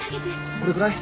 これくらい？